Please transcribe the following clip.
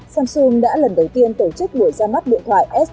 samsung đã lần đầu tiên tổ chức buổi ra mắt điện thoại s hai mươi hai